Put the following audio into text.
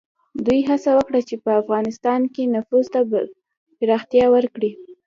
دوی هڅه وکړه چې په افغانستان کې نفوذ ته پراختیا ورکړي.